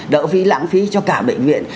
đỡ phí lãng phí cho cả bệnh viện